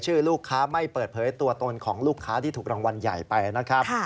ลูกค้าไม่เปิดเผยตัวตนของลูกค้าที่ถูกรางวัลใหญ่ไปนะครับ